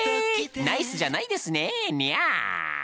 ナイスじゃないですねにゃー！